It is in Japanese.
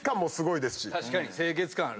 確かに清潔感ある。